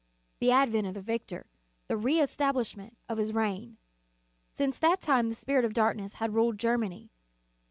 The advent of the victor, the reestablishment of his reign. Since that time the Spirit of dark ness has ruled Germany.